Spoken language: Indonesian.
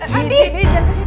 di di di jangan ke situ